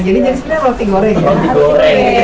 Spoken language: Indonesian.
jadi jadi sebenarnya roti goreng ya